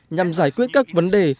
nhằm giải quyết các vấn đề